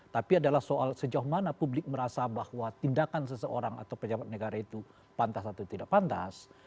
tapi adalah soal sejauh mana publik merasa bahwa tindakan seseorang atau pejabat negara itu pantas atau tidak pantas